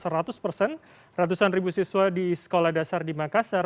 ratusan ribu siswa di sekolah dasar di makassar